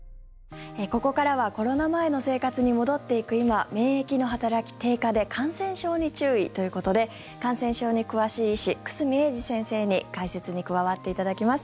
ここからはコロナ前の生活に戻っていく今免疫の働き低下で感染症に注意ということで感染症に詳しい医師久住英二先生に解説に加わっていただきます。